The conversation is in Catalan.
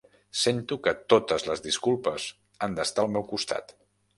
Sento que totes les disculpes han d'estar al meu costat.